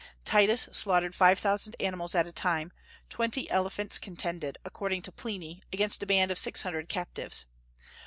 Titus slaughtered five thousand animals at a time; twenty elephants contended, according to Pliny, against a band of six hundred captives.